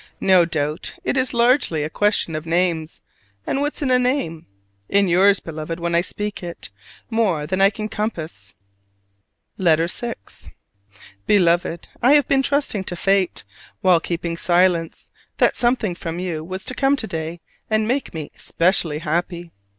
No doubt it is largely a question of names; and what's in a name? In yours, Beloved, when I speak it, more than I can compass! LETTER VI. Beloved: I have been trusting to fate, while keeping silence, that something from you was to come to day and make me specially happy.